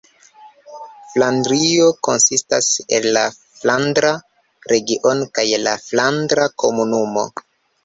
Flandrio konsistas el la Flandra Regiono kaj la Flandra Komunumo.